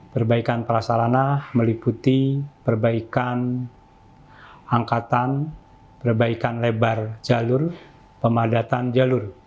perbaikan prasarana meliputi perbaikan angkatan perbaikan lebar jalur pemadatan jalur